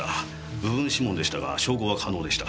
部分指紋でしたが照合は可能でした。